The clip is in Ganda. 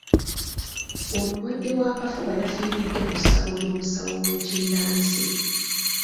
Omulwadde w'akafuba yafiiridde mu ssabo ly'omusawo w'ekinnansi.